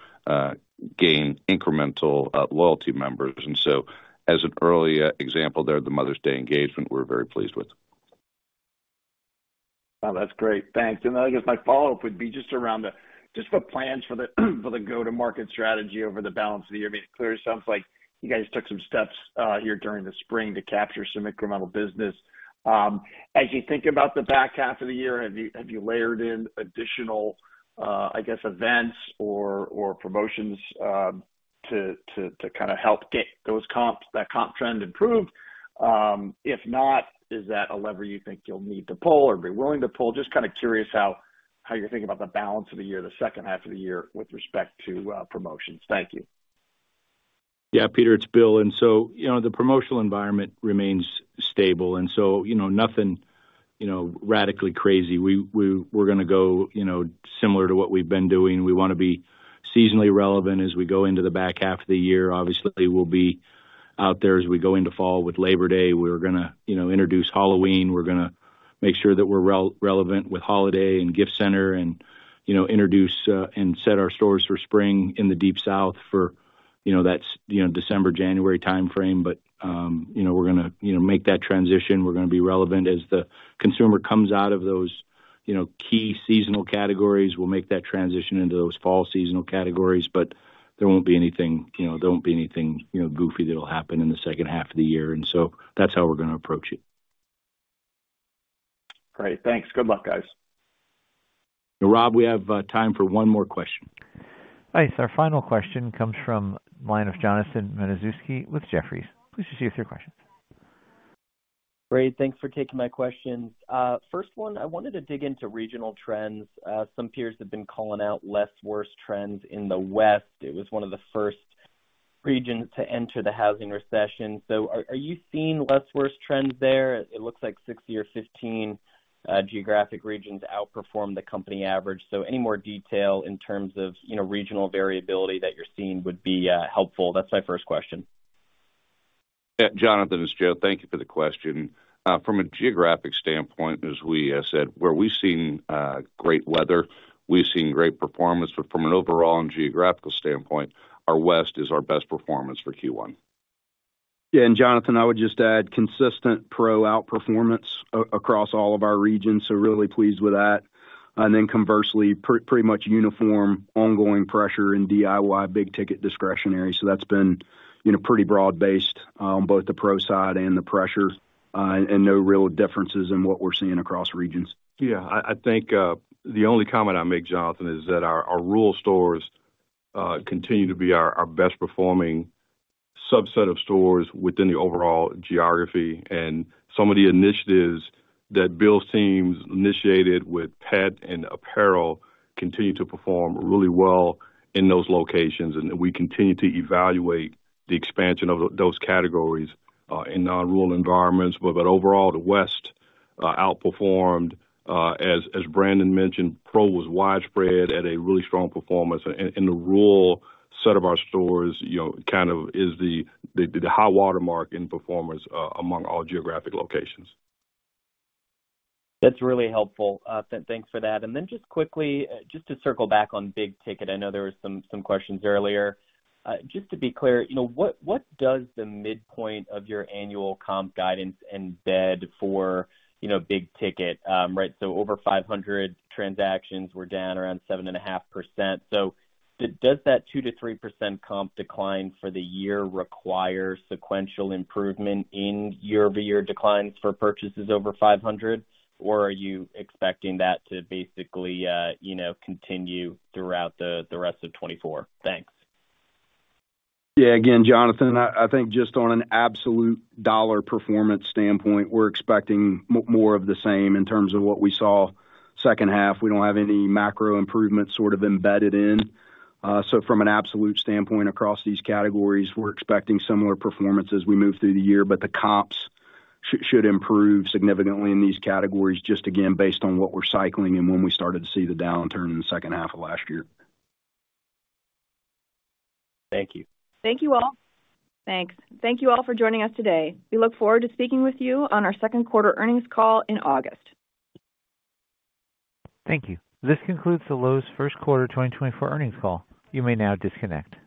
gain incremental loyalty members. And so, as an early example there, the Mother's Day engagement, we're very pleased with. Well, that's great. Thanks. And then, I guess my follow-up would be just around the, just the plans for the, for the go-to-market strategy over the balance of the year. I mean, it clearly sounds like you guys took some steps here during the spring to capture some incremental business. As you think about the back half of the year, have you layered in additional, I guess, events or promotions to kind of help get those comps, that comp trend improved? If not, is that a lever you think you'll need to pull or be willing to pull? Just kind of curious how you're thinking about the balance of the year, the H2 of the year with respect to promotions. Thank you. Yeah, Peter, it's Bill. And so, you know, the promotional environment remains stable, and so, you know, nothing, you know, radically crazy. We're gonna go, you know, similar to what we've been doing. We wanna be seasonally relevant as we go into the back half of the year. Obviously, we'll be out there as we go into fall with Labor Day. We're gonna, you know, introduce Halloween. We're gonna make sure that we're relevant with holiday and gift center and, you know, introduce and set our stores for spring in the Deep South for, you know, that's, you know, December, January timeframe. But, you know, we're gonna, you know, make that transition. We're gonna be relevant as the consumer comes out of those, you know, key seasonal categories. We'll make that transition into those fall seasonal categories, but there won't be anything, you know, there won't be anything, you know, goofy that'll happen in the H2 of the year, and so that's how we're gonna approach it. Great. Thanks. Good luck, guys. Rob, we have time for one more question. Thanks. Our final question comes from the line of Jonathan Matuszewski with Jefferies. Please proceed with your question. Great. Thanks for taking my questions. First one, I wanted to dig into regional trends. Some peers have been calling out less worse trends in the West. It was one of the first regions to enter the housing recession. So are you seeing less worse trends there? It looks like 60 or 15 geographic regions outperformed the company average. So any more detail in terms of, you know, regional variability that you're seeing would be helpful. That's my first question. Yeah, Jonathan, it's Joe. Thank you for the question. From a geographic standpoint, as we said, where we've seen great weather, we've seen great performance. But from an overall and geographical standpoint, our West is our best performance for Q1. Yeah, and Jonathan, I would just add consistent Pro outperformance across all of our regions, so really pleased with that. And then conversely, pretty much uniform, ongoing pressure in DIY, big-ticket discretionary. So that's been, you know, pretty broad-based, both the Pro side and the pressure, and no real differences in what we're seeing across regions. Yeah, I think the only comment I'd make, Jonathan, is that our rural stores continue to be our best performing subset of stores within the overall geography. And some of the initiatives that Bill's teams initiated with pet and apparel continue to perform really well in those locations, and we continue to evaluate the expansion of those categories in non-rural environments. But overall, the West outperformed. As Brandon mentioned, Pro was widespread at a really strong performance, and the rural set of our stores, you know, kind of is the high-water mark in performance among all geographic locations. That's really helpful. Thanks for that. Then just quickly, just to circle back on big ticket, I know there were some questions earlier. Just to be clear, you know, what does the midpoint of your annual comp guidance embed for, you know, big ticket? Right, so over 500 transactions were down around 7.5%. Does that 2%-3% comp decline for the year require sequential improvement in year-over-year declines for purchases over 500? Or are you expecting that to basically, you know, continue throughout the rest of 2024? Thanks. Yeah. Again, Jonathan, I think just on an absolute dollar performance standpoint, we're expecting more of the same in terms of what we saw H2. We don't have any macro improvements sort of embedded in. So from an absolute standpoint across these categories, we're expecting similar performance as we move through the year, but the comps should improve significantly in these categories, just again, based on what we're cycling and when we started to see the downturn in the H2 of last year. Thank you. Thank you, all. Thanks. Thank you all for joining us today. We look forward to speaking with you on our Q2 earnings call in August. Thank you. This concludes the Lowe's Q1 2024 earnings call. You may now disconnect.